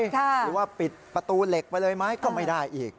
หรือว่าปิดประตูเหล็กไปเลยไหมก็ไม่ได้อีก